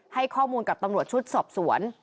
ให้ข้อมูลกับตำรวจชุดสอบสวน